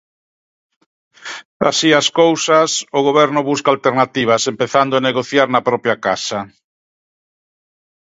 Así as cousas, o Goberno busca alternativas, empezando a negociar na propia casa.